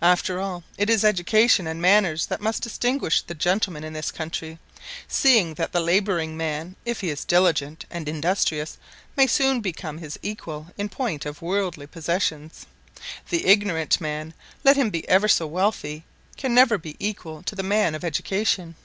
After all, it is education and manners that must distinguish the gentleman in this country, seeing that the labouring man, if he is diligent and industrious, may soon become his equal in point of worldly possessions. The ignorant man, let him be ever so wealthy, can never be equal to the man of education.